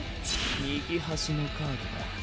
右端のカードだ。